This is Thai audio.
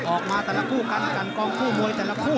ออกมาแต่ละคู่กันกันกองคู่มวยแต่ละคู่